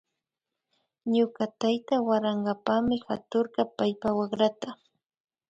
Ñuka tayta warankapami haturka paypa wakrata